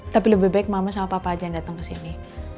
tapi lebih baik mama sama papa aja yang dateng kesini